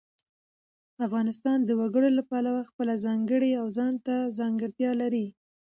افغانستان د وګړي له پلوه خپله ځانګړې او ځانته ځانګړتیا لري.